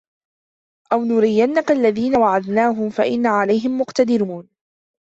أَوْ نُرِيَنَّكَ الَّذِي وَعَدْنَاهُمْ فَإِنَّا عَلَيْهِمْ مُقْتَدِرُونَ